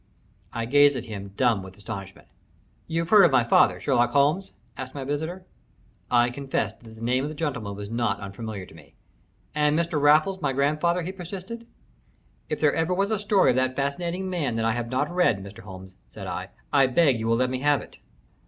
I gazed at him, dumb with astonishment. "You've heard of my father, Sherlock Holmes?" asked my visitor. I confessed that the name of the gentleman was not unfamiliar to me. "And Mr. Raffles, my grandfather?" he persisted. "If there ever was a story of that fascinating man that I have not read, Mr. Holmes," said I, "I beg you will let me have it."